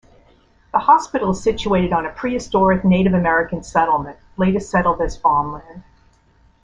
The hospital is situated on a prehistoric Native American settlement later settled as farmland.